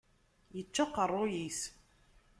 Yečča aqerruy-is.